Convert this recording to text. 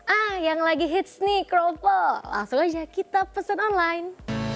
ah yang lagi hits nih kroffel langsung aja kita pesen online